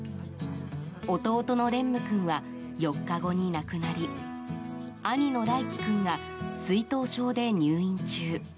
弟の蓮夢君は４日後に亡くなり兄のライキ君が水頭症で入院中。